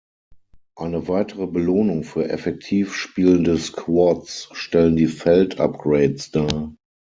Eine weitere Belohnung für effektiv spielende Squads stellen die Feld-Upgrades dar.